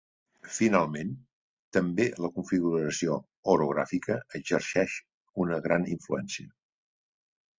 Finalment, també la configuració orogràfica exerceix amb una gran influència.